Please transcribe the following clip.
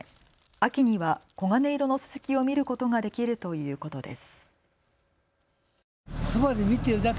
秋には黄金色のすすきを見ることができるということです。